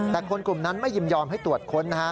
แต่คนกลุ่มนั้นไม่ยินยอมให้ตรวจค้นนะฮะ